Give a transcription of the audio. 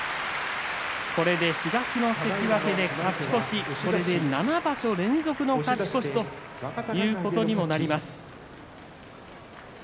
これで東の関脇で勝ち越し７場所連続の勝ち越しということになりました。